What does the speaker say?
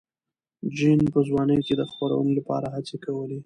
جین په ځوانۍ کې د خپرونې لپاره هڅې کولې.